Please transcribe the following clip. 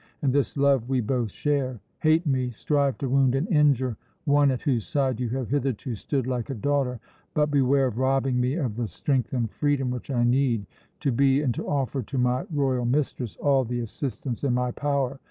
And this love we both share. Hate me, strive to wound and injure one at whose side you have hitherto stood like a daughter, but beware of robbing me of the strength and freedom which I need, to be and to offer to my royal mistress all the assistance in my power.